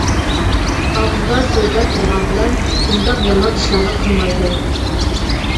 ئاغزىدا سۆزلەپ تۇرغان بىلەن، ئۇنداق يامان ئىشلارنى قىلمايدۇ.